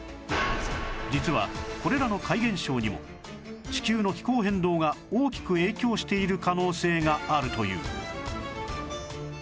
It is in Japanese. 実はこれらの怪現象にも地球の気候変動が大きく影響している可能性があるという